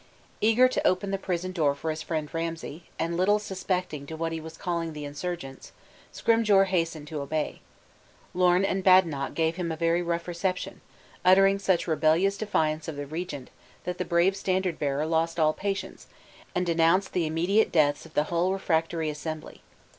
Eager to open the prison door for his friend Ramsay, and little suspecting to what he was calling the insurgents, Scrymgeour hastened to obey. Lorn and Badenoch gave him a very rough reception, uttering such rebellious defiance of the regent that the brave standard bearer lost all patience, and denounced the immediate deaths of the whole refractory assembly.